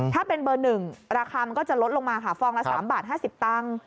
ถ้าเป็นเบอร์๑ราคามันก็จะลดลงมาค่ะฟองละ๓บาท๕๐ตังค์